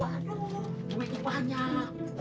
waduh duitnya banyak